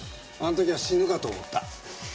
あの時は死ぬかと思った。